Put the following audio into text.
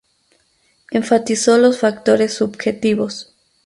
Enfatizó los factores subjetivos.